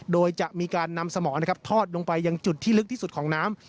โดยจะมีการนำสมองนะครับทอดลงไปยังจุดที่ลึกที่สุดของน้ำ